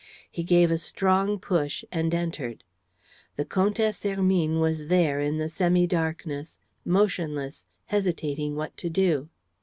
He gave a strong push and entered. The Comtesse Hermine was there, in the semi darkness, motionless, hesitating what to do.